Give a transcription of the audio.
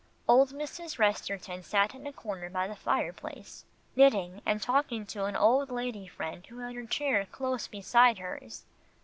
Old Mrs. Resterton sat in a corner by the fireplace, knitting and talking to an old lady friend who had her chair close beside hers.